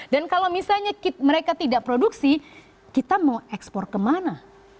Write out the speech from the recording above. dan kalau misalnya mereka tidak produksi kita mau ekspor kemana